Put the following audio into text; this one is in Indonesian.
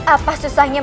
apa susahnya membunuhnya